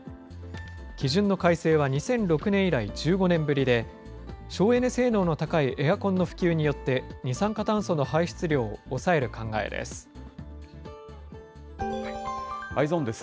基準の改正は２００６年以来１５年ぶりで、省エネ性能の高いエアコンの普及によって二酸化炭素の排出量を抑Ｅｙｅｓｏｎです。